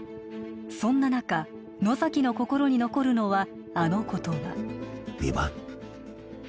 そんな中野崎の心に残るのはあの言葉ヴィヴァン？